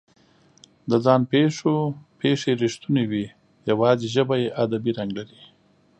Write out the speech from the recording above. د ځان پېښو پېښې رښتونې وي، یواځې ژبه یې ادبي رنګ لري.